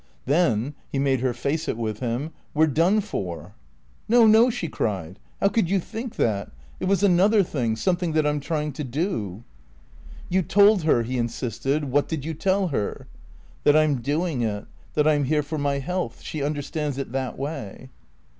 "Then" (he made her face it with him), "we're done for." "No, no," she cried. "How could you think that? It was another thing. Something that I'm trying to do." "You told her," he insisted. "What did you tell her?" "That I'm doing it. That I'm here for my health. She understands it that way."